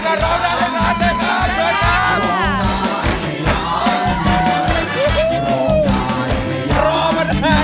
คุณรันหน้าตอบ